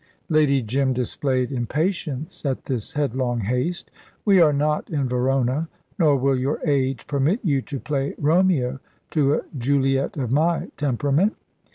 Lady Jim displayed impatience at this headlong haste. "We are not in Verona, nor will your age permit you to play Romeo to a Juliet of my temperament.